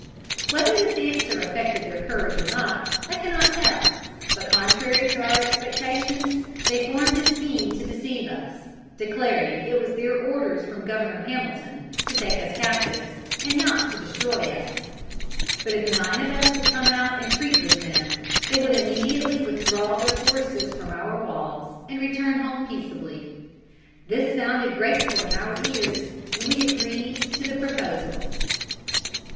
"Whether this answer affected their courage or not, I cannot tell, but contrary to our expectations, they formed a scheme to deceive us, declaring it was their orders from Governor Hamilton to take us captives, and not to destroy us; but if nine of us would come out and treat with them, they would immediately withdraw their forces from our walls, and return home peaceably. This sounded grateful in our ears, and we agreed to the proposal."